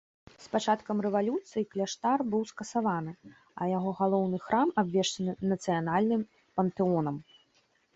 З пачаткам рэвалюцыі кляштар быў скасаваны, а яго галоўны храм абвешчаны нацыянальным пантэонам.